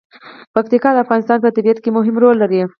پکتیکا د افغانستان په طبیعت کې مهم رول لري.